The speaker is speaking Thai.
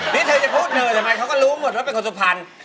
นี่เธอจะพูดเธอทำไมเขาก็รู้หมดว่าเป็นคนสุพรรณ